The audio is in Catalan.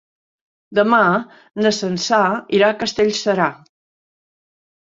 Demà na Sança irà a Castellserà.